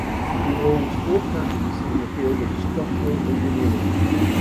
He holds four patents in the field of structural engineering.